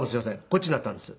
こっちになったんです。